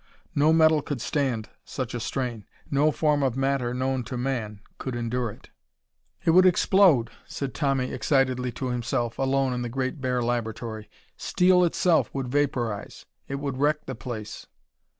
No metal could stand such a strain. No form of matter known to man could endure it. "It would explode!" said Tommy excitedly to himself, alone in the great bare laboratory. "Steel itself would vaporize! It would wreck the place!"